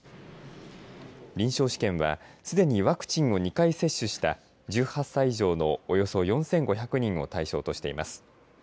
臨床試験はすでにワクチンを２回接種した１８歳以上のおよそ４５００人を対象としています。